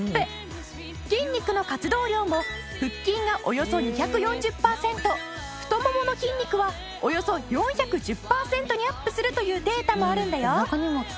筋肉の活動量も腹筋がおよそ２４０パーセント太ももの筋肉はおよそ４１０パーセントにアップするというデータもあるんだよ。